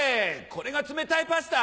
これが冷たいパスタ？